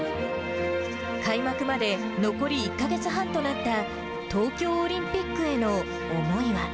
開幕まで残り１か月半となった東京オリンピックへの思いは。